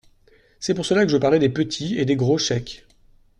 C’est pour cela que je parlais des petits et des gros chèques.